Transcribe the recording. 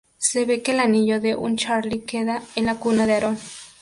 Se ve que el anillo de un Charlie queda en la cuna de Aaron.